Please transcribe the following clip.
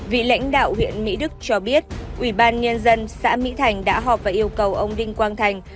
vị lãnh đạo huyện mỹ đức cho biết ủy ban nhân dân xã mỹ thành đã họp và yêu cầu ông đinh quang thành